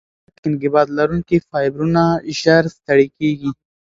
چټک انقباض لرونکي فایبرونه ژر ستړې کېږي.